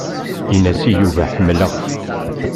Ini-as i Yuba ḥemmleɣ-t.